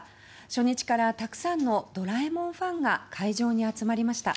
初日からたくさんの「ドラえもん」ファンが会場に集まりました。